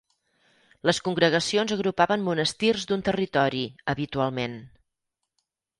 Les congregacions agrupaven monestirs d'un territori, habitualment.